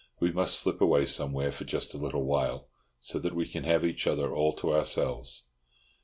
We must slip away somewhere for just a little while, so that we can have each other all to ourselves.